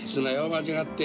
間違って。